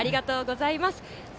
ありがとうございます。